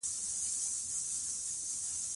انسان له یوې تړلې وینې پیدا شوی دی.